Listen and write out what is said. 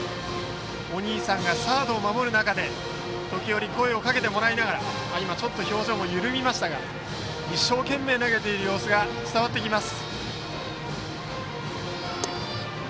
お兄さんがサードを守る中で時折、声をかけてもらい今も表情が少し緩みましたが一生懸命、投げている様子が伝わってきます。